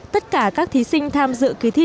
tất cả các thí sinh tham dự kỳ thi